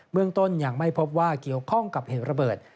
เมืองต้นยังไม่พบว่าเกี่ยวข้องกับเหตุระเบิด